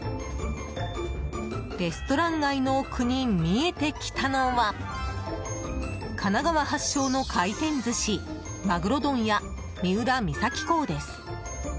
レストラン街の奥に見えてきたのは神奈川発祥の回転寿司まぐろ問屋三浦三崎港です。